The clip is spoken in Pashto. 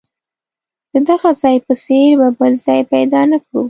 د دغه ځای په څېر به بل ځای پیدا نه کړو.